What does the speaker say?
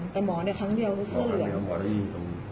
แต่หมอเนี่ยครั้งเดียวหมอได้ยิน